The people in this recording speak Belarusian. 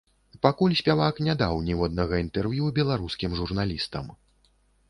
Пакуль спявак не даў ніводнага інтэрв'ю беларускім журналістам.